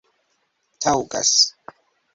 taŭgas